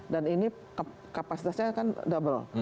dan ini kapasitasnya kan double